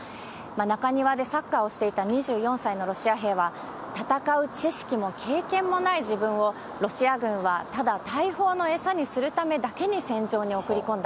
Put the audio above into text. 中庭でサッカーをしていた２４歳のロシア兵は、戦う知識も経験もない自分を、ロシア軍はただ大砲の餌にするためだけに戦場に送り込んだ。